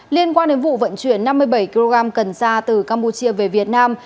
liên quan đến vụ vận chuyển năm mươi bảy kg cần sa từ campuchia về việt nam